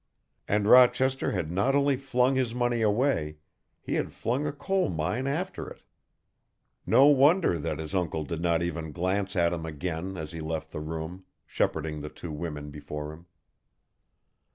And Rochester had not only flung his money away, he had flung a coal mine after it. No wonder that his uncle did not even glance at him again as he left the room, shepherding the two women before him.